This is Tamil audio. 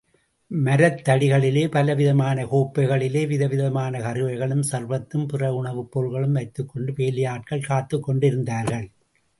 மரத்தடிகளிலே, பலவிதமான கோப்பைகளிலே விதவிதமான கறிவகைகளும், சர்பத்தும், பிற உணவுப் பொருள்களும் வைத்துக்கொண்டு வேலையாட்கள் காத்துக் கொண்டிருந்தார்கள்.